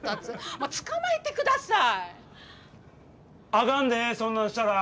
もう捕まえてください！